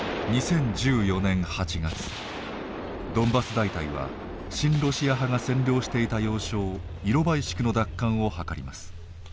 ドンバス大隊は親ロシア派が占領していた要衝イロバイシクの奪還をはかります。